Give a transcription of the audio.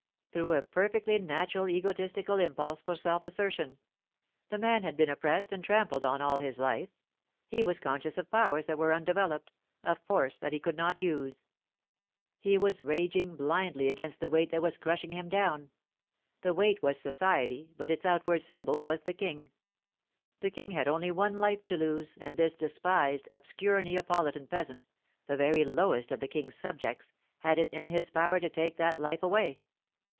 Through a perfectly natural egotistical impulse for self assertion. The man had been oppressed and trampled on all his life. He was conscious of powers that were undeveloped, of force that he could not use. He was raging blindly against the weight that was crushing him down. The weight was society, but its outward symbol was the King. The King had only one life to lose, and this despised, obscure Neapolitan peasant, the very lowest of the King's subjects, had it in his power to take that life away.